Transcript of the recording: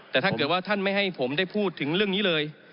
แต่ถ้าเกิดว่าท่านไม่ให้ผมได้พูดถึงเรื่องนี้เลย